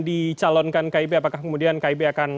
dicalonkan kib apakah kemudian kib akan